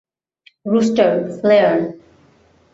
Rooster, flair.